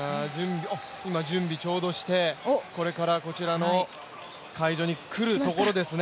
今、準備ちょうどしてこれからこちらの会場に来るところですね。